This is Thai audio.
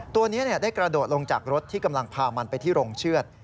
ตัวนี้ได้กระโดดลงจากรถที่กำลังพามันไปที่โรงเชือด